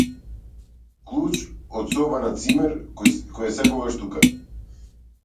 Клуч од соба на цимер кој е секогаш тука.